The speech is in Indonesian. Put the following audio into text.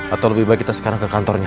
atau lebih baik kita sekarang ke kantornya